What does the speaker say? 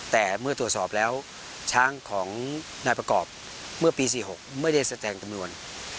แต่เมื่อตรวจสอบแล้วช้างของนายประกอบเมื่อปี๔๖ไม่ได้แสดงจำนวน